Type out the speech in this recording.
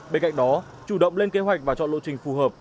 bên cạnh đó chủ động lên kế hoạch và chọn lộ trình phù hợp